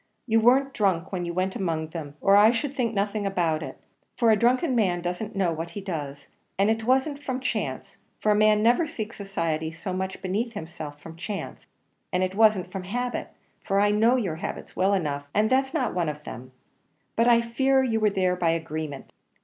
You weren't drunk when you went among them, or I should think nothing about it for a drunken man doesn't know what he does; and it wasn't from chance for a man never seeks society so much beneath himself from chance; and it wasn't from habit for I know your habits well enough, and that's not one of them; but I fear you were there by agreement.